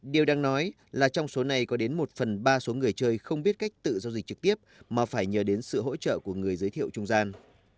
điều đang nói là trong số này có đến một phần ba số người chơi không biết cách tự giao dịch trực tiếp mà phải nhờ đến sự hỗ trợ của người giới thiệu trung gian